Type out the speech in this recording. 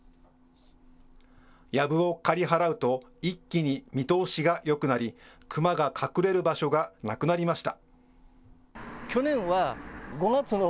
やぶを刈り払うと、一気に見通しがよくなり、クマが隠れる場所がなくなりました。